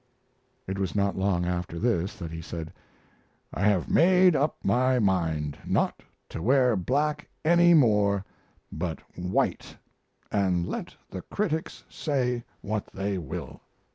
It was not long after this that he said: "I have made up my mind not to wear black any more, but white, and let the critics say what they will."